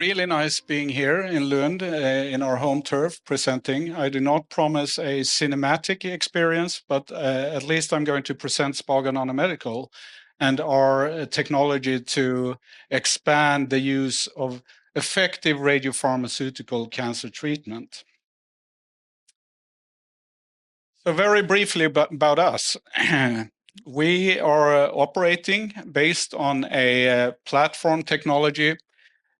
Really nice being here in Lund, in our home turf, presenting. I do not promise a cinematic experience, but at least I'm going to present Spago Nanomedical and our technology to expand the use of effective radiopharmaceutical cancer treatment. Very briefly about us, we are operating based on a platform technology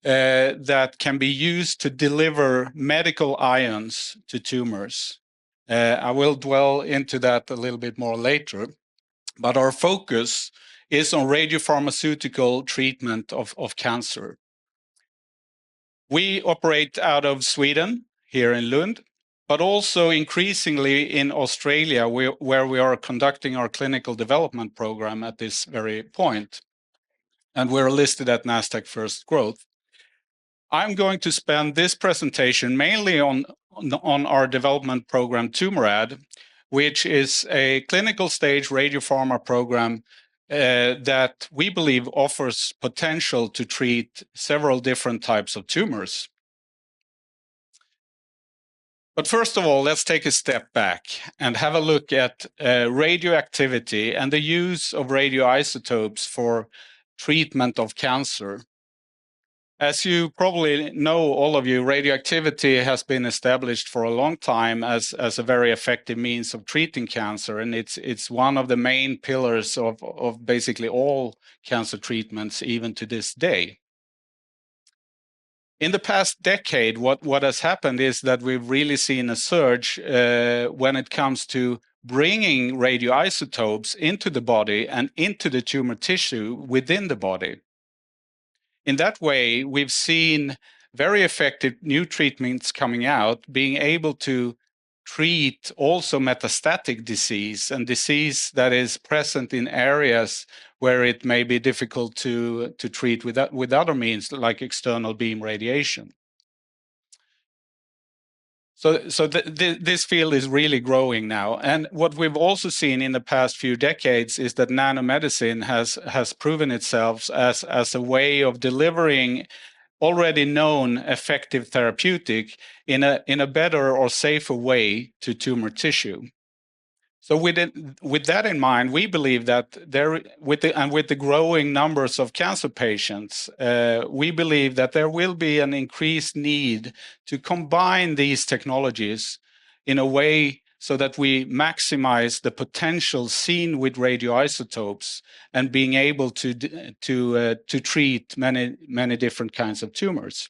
that can be used to deliver medical ions to tumors. I will dwell into that a little bit more later, but our focus is on radiopharmaceutical treatment of cancer. We operate out of Sweden here in Lund, but also increasingly in Australia, where we are conducting our clinical development program at this very point, and we're listed at Nasdaq First Growth. I'm going to spend this presentation mainly on our development program, Tumorad, which is a clinical stage radiopharma program that we believe offers potential to treat several different types of tumors. First of all, let's take a step back and have a look at radioactivity and the use of radioisotopes for treatment of cancer. As you probably know, all of you, radioactivity has been established for a long time as a very effective means of treating cancer, and it's one of the main pillars of basically all cancer treatments, even to this day. In the past decade, what has happened is that we've really seen a surge when it comes to bringing radioisotopes into the body and into the tumor tissue within the body. In that way, we've seen very effective new treatments coming out, being able to treat also metastatic disease and disease that is present in areas where it may be difficult to treat with other means, like external beam radiation. This field is really growing now. What we've also seen in the past few decades is that nanomedicine has proven itself as a way of delivering already known effective therapeutic in a better or safer way to tumor tissue. With that in mind, we believe that with the growing numbers of cancer patients, there will be an increased need to combine these technologies in a way so that we maximize the potential seen with radioisotopes and being able to treat many different kinds of tumors.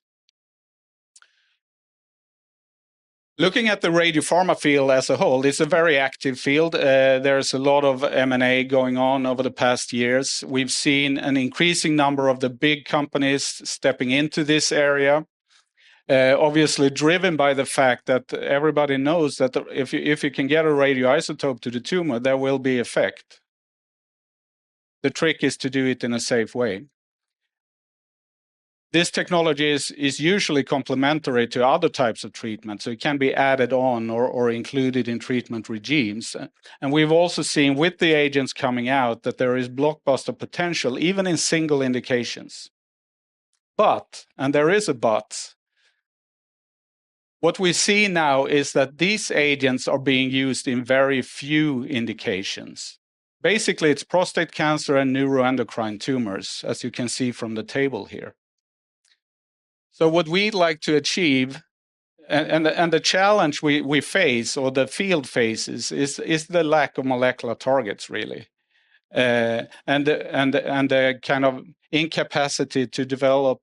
Looking at the radiopharma field as a whole, it's a very active field. There's a lot of M&A going on over the past years. We've seen an increasing number of the big companies stepping into this area, obviously driven by the fact that everybody knows that if you can get a radioisotope to the tumor, there will be effect. The trick is to do it in a safe way. This technology is usually complementary to other types of treatment, so it can be added on or included in treatment regimes. We've also seen with the agents coming out that there is blockbuster potential even in single indications. There is a but, what we see now is that these agents are being used in very few indications. Basically, it's prostate cancer and neuroendocrine tumors, as you can see from the table here. What we'd like to achieve, and the challenge we face or the field faces, is the lack of molecular targets, really, and the kind of incapacity to develop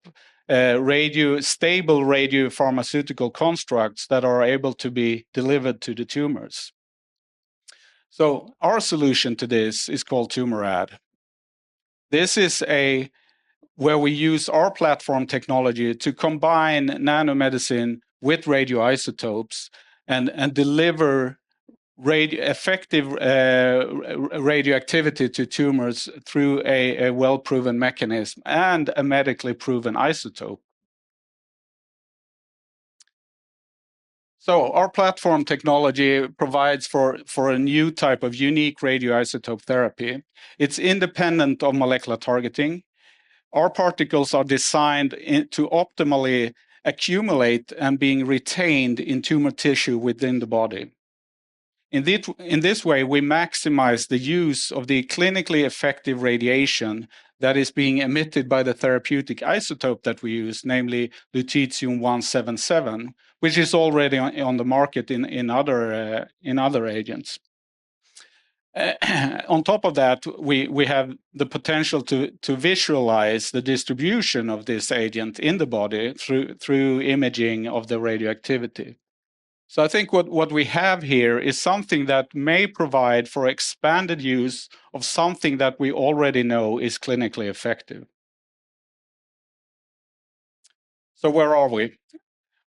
stable radiopharmaceutical constructs that are able to be delivered to the tumors. Our solution to this is called Tumorad. This is where we use our platform technology to combine nanomedicine with radioisotopes and deliver effective radioactivity to tumors through a well-proven mechanism and a medically proven isotope. Our platform technology provides for a new type of unique radioisotope therapy. It's independent of molecular targeting. Our particles are designed to optimally accumulate and be retained in tumor tissue within the body. In this way, we maximize the use of the clinically effective radiation that is being emitted by the therapeutic isotope that we use, namely lutetium-177, which is already on the market in other agents. On top of that, we have the potential to visualize the distribution of this agent in the body through imaging of the radioactivity. I think what we have here is something that may provide for expanded use of something that we already know is clinically effective. Where are we?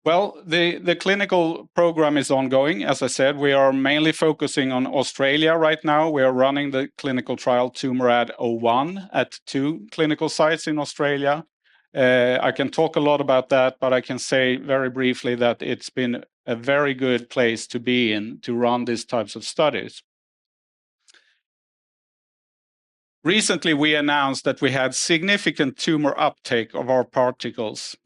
The clinical program is ongoing. As I said, we are mainly focusing on Australia right now. We are running the clinical trial Tumorad-01 at two clinical sites in Australia. I can talk a lot about that, but I can say very briefly that it's been a very good place to be in to run these types of studies. Recently, we announced that we had significant tumor uptake of our particles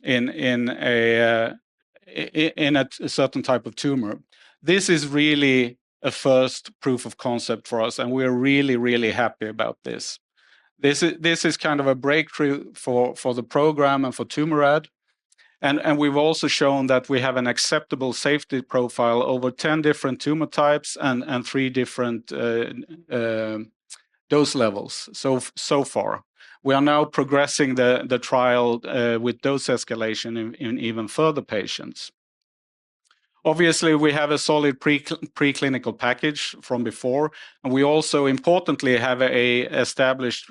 in a certain type of tumor. This is really a first proof of concept for us, and we are really, really happy about this. This is kind of a breakthrough for the program and for Tumorad. We have also shown that we have an acceptable safety profile over 10 different tumor types and three different dose levels so far. We are now progressing the trial with dose escalation in even further patients. Obviously, we have a solid preclinical package from before, and we also importantly have an established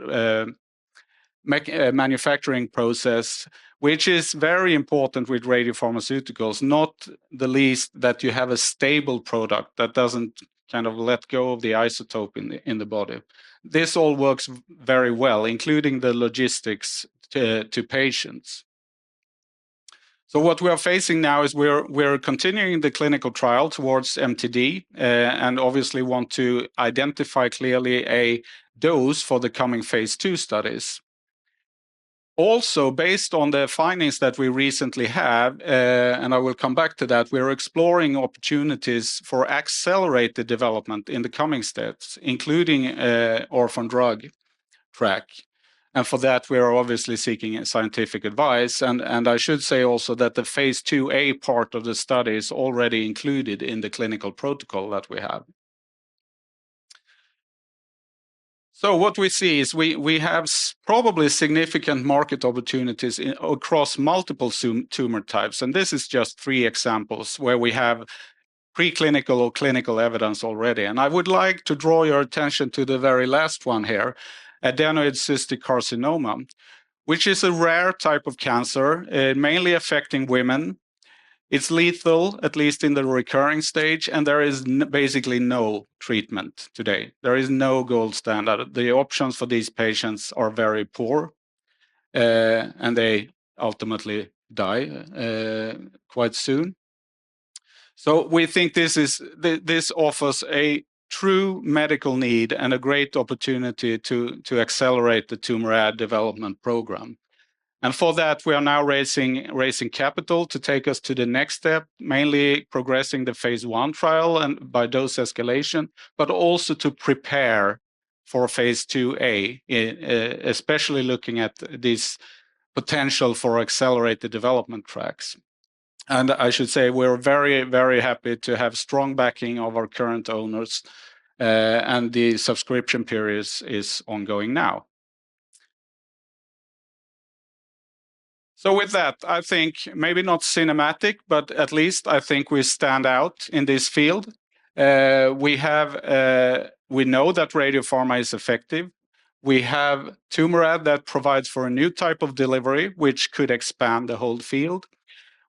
manufacturing process, which is very important with radiopharmaceuticals, not the least that you have a stable product that does not kind of let go of the isotope in the body. This all works very well, including the logistics to patients. What we are facing now is we are continuing the clinical trial towards MTD and obviously want to identify clearly a dose for the coming phase two studies. Also, based on the findings that we recently have, and I will come back to that, we are exploring opportunities for accelerated development in the coming steps, including orphan drug track. For that, we are obviously seeking scientific advice. I should say also that the phase IIa part of the study is already included in the clinical protocol that we have. What we see is we have probably significant market opportunities across multiple tumor types. This is just three examples where we have preclinical or clinical evidence already. I would like to draw your attention to the very last one here, adenoid cystic carcinoma, which is a rare type of cancer, mainly affecting women. It is lethal, at least in the recurring stage, and there is basically no treatment today. There is no gold standard. The options for these patients are very poor, and they ultimately die quite soon. We think this offers a true medical need and a great opportunity to accelerate the Tumorad development program. For that, we are now raising capital to take us to the next step, mainly progressing the phase I trial and by dose escalation, but also to prepare for phase IIa, especially looking at this potential for accelerated development tracks. I should say we are very, very happy to have strong backing of our current owners, and the subscription period is ongoing now. With that, I think maybe not cinematic, but at least I think we stand out in this field. We know that radiopharma is effective. We have Tumorad that provides for a new type of delivery, which could expand the whole field.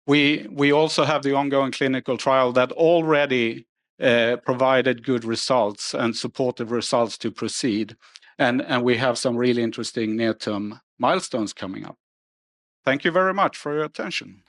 We also have the ongoing clinical trial that already provided good results and supportive results to proceed. We have some really interesting near-term milestones coming up. Thank you very much for your attention.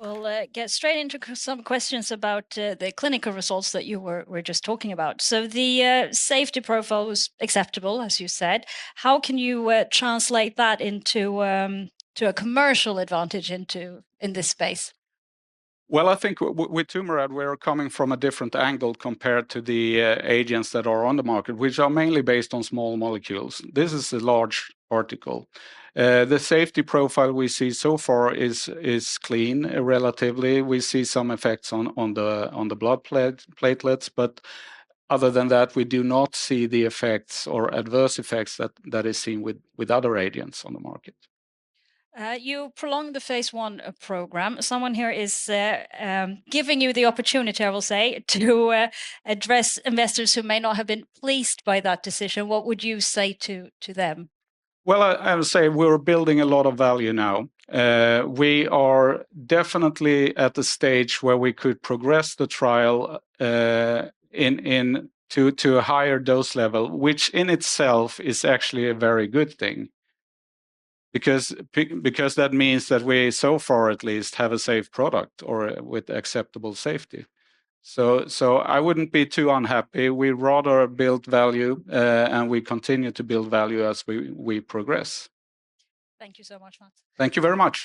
We'll get straight into some questions about the clinical results that you were just talking about. The safety profile was acceptable, as you said. How can you translate that into a commercial advantage in this space? I think with Tumorad, we're coming from a different angle compared to the agents that are on the market, which are mainly based on small molecules. This is a large article. The safety profile we see so far is clean, relatively. We see some effects on the blood platelets, but other than that, we do not see the effects or adverse effects that are seen with other agents on the market. You prolonged the phase one program. Someone here is giving you the opportunity, I will say, to address investors who may not have been pleased by that decision. What would you say to them? I would say we're building a lot of value now. We are definitely at the stage where we could progress the trial to a higher dose level, which in itself is actually a very good thing because that means that we so far, at least, have a safe product or with acceptable safety. I wouldn't be too unhappy. We rather build value, and we continue to build value as we progress. Thank you so much, Mats. Thank you very much.